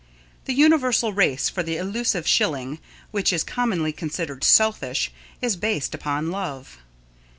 The universal race for the elusive shilling, which is commonly considered selfish, is based upon love.